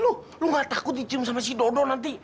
lu lu gak takut dicium sama si dodo nanti